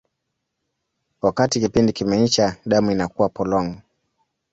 Wakati kipindi kimeisha, damu inakuwa polong.